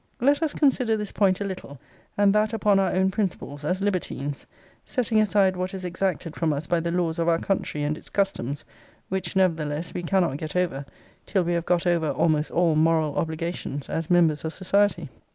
Let us consider this point a little; and that upon our own principles, as libertines, setting aside what is exacted from us by the laws of our country, and its customs; which, nevertheless, we cannot get over, till we have got over almost all moral obligations, as members of society.